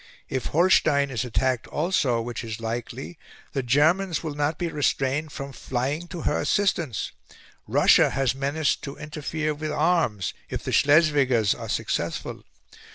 If Holstein is attacked also, which is likely, the Germans will not be restrained from flying to her assistance; Russia has menaced to interfere with arms, if the Schleswigers are successful.